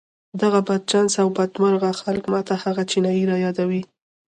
دغه بدچانسه او بدمرغه خلک ما ته هغه چينايي را يادوي.